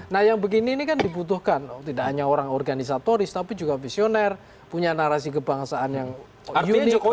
nah yang begini ini kan dibutuhkan tidak hanya orang organisatoris tapi juga visioner punya narasi kebangsaan yang unicor